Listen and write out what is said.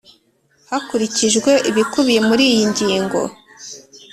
Hakurikijwe ibikubiye muri iyi ngingo